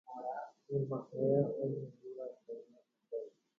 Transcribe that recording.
Imba'erã omoĩva'ekue Ña Antonia.